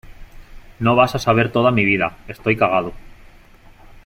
no vas a saber toda mi vida . estoy cagado